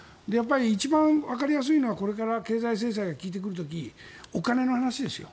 一番わかりやすいのはこれから経済制裁が効いてくる時にお金の話ですよ。